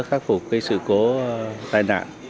khắc phục sự cố tai nạn